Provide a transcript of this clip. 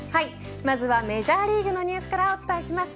まずはメジャーリーグのニュースからお伝えします。